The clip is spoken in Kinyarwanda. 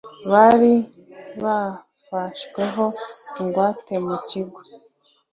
bari bafashweho ingwate mu kigo